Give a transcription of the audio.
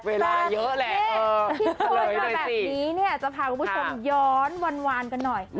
คิดพลอยส์กันแบบนี้เนี่ยจะพาคุณผู้ชมย้อนวานกันหน่อย